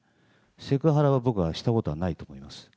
セクハラは僕はしたことがないと思います。